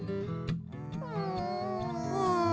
うん。